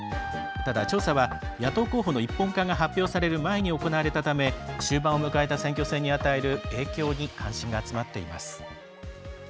ただ調査は、野党候補の一本化が発表される前に行われたため終盤を迎えた選挙戦に与える影響に関心が集まっています。